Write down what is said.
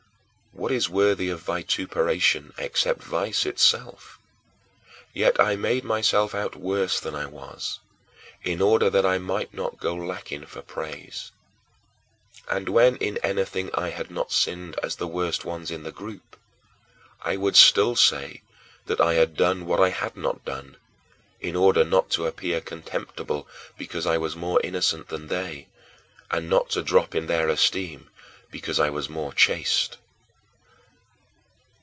What is worthy of vituperation except vice itself? Yet I made myself out worse than I was, in order that I might not go lacking for praise. And when in anything I had not sinned as the worst ones in the group, I would still say that I had done what I had not done, in order not to appear contemptible because I was more innocent than they; and not to drop in their esteem because I was more chaste.